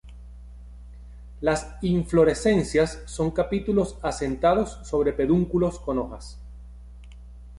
Las inflorescencias son capítulos asentados sobre pedúnculos con hojas.